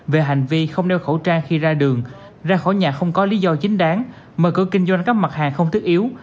về hành vi không đeo khẩu trang khi ra đường ra khỏi nhà không có lý do chính đáng mở cửa kinh doanh các mặt hàng không thiết yếu